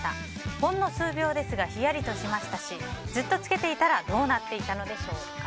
ほんの数秒ですがヒヤリとしましたしずっとつけていたらどうなっていたのでしょうか。